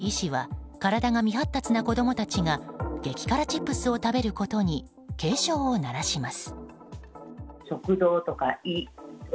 子供の食と健康に詳しい医師は体が未発達な子供たちが激辛チップスを食べることに警鐘を鳴らします。